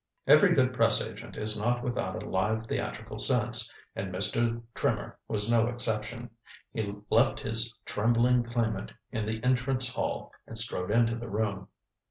Every good press agent is not without a live theatrical sense, and Mr. Trimmer was no exception. He left his trembling claimant in the entrance hall and strode into the room.